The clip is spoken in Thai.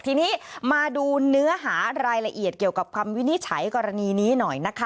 ทีนี้มาดูเนื้อหารายละเอียดเกี่ยวกับคำวินิจฉัยกรณีนี้หน่อยนะคะ